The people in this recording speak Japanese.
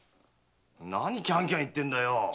何キャンキャン言ってんだよ？